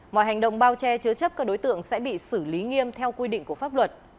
mọi hành động bao che chứa chấp các đối tượng sẽ bị xử lý nghiêm theo quy định của pháp luật